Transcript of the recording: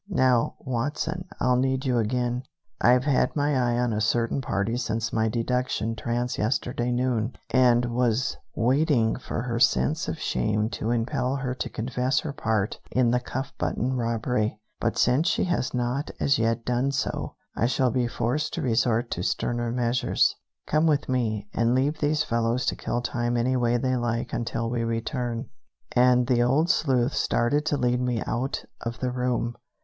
"Now, Watson, I'll need you again. I've had my eye on a certain party since my deduction trance yesterday noon, and was waiting for her sense of shame to impel her to confess her part in the cuff button robbery; but since she has not as yet done so, I shall be forced to resort to sterner measures. Come with me, and leave these fellows to kill time any way they like until we return." And the old sleuth started to lead me out of the room.